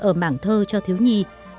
ở mảng thơ cho thiếu nhi